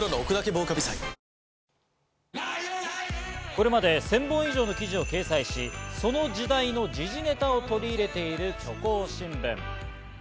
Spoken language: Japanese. これまで１０００本以上の記事を掲載し、その時代の時事ネタを取り入れている虚構新聞。